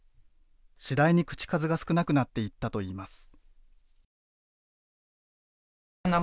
次第に口数が少なくなっていったといいます。